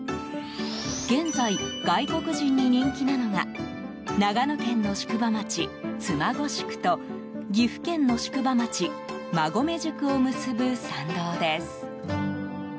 現在、外国人に人気なのが長野県の宿場町、妻籠宿と岐阜県の宿場町、馬籠宿を結ぶ山道です。